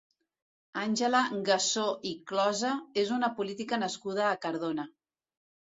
Àngela Gassó i Closa és una política nascuda a Cardona.